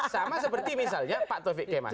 sama seperti misalnya pak taufik kemas